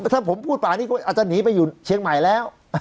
ถ้าผมพูดป่านี้ก็อาจจะหนีไปอยู่เชียงใหม่แล้ว